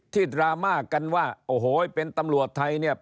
ดราม่ากันว่าโอ้โหเป็นตำรวจไทยเนี่ย